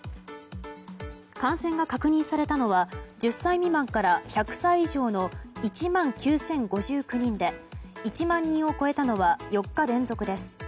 感染が確認されたのは１０歳未満から１００歳以上の１万９０５９人で１万人を超えたのは４日連続です。